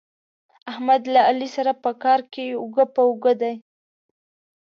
احمد له علي سره په کار کې اوږه په اوږه دی.